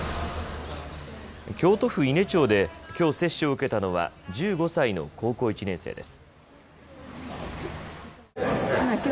京都府伊根町で、きょう接種を受けたのは１５歳の高校１年生です。